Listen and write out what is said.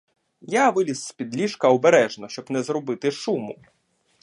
Я виліз з-під ліжка обережно, щоб не зробити шуму.